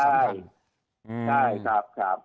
ใช่ใช่ครับครับ